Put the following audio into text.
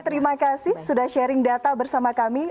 terima kasih sudah sharing data bersama kami